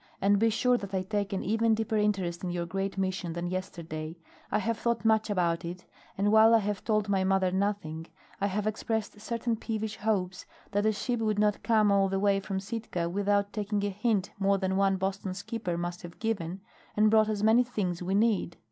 And be sure that I take an even deeper interest in your great mission than yesterday. I have thought much about it, and while I have told my mother nothing, I have expressed certain peevish hopes that a ship would not come all the way from Sitka without taking a hint more than one Boston skipper must have given, and brought us many things we need.